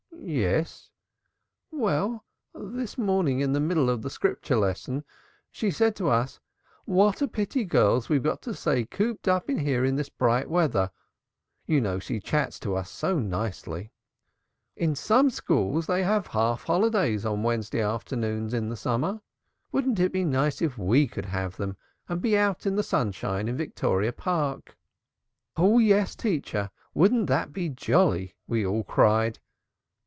"Yes." "Well, this morning all in the middle of the Scripture lesson, she said to us, 'What a pity, girls, we've got to stay cooped up here this bright weather' you know she chats to us so nicely 'in some schools they have half holidays on Wednesday afternoons in the summer. Wouldn't it be nice if we could have them and be out in the sunshine in Victoria Park?' 'Hoo, yes, teacher, wouldn't that be jolly?' we all cried.